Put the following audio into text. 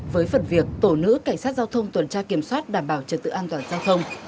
với phần việc tổ nữ cảnh sát giao thông tuần tra kiểm soát đảm bảo trật tự an toàn giao thông